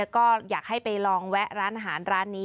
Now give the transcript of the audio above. ก็อยากให้ไปลองแวะร้านอาหารร้านนี้